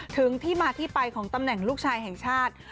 ถึงที่มาที่ไปของตำแหน่งลูกชายแห่งชาติ